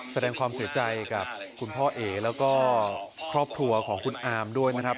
แสดงความเสียใจกับคุณพ่อเอ๋แล้วก็ครอบครัวของคุณอามด้วยนะครับ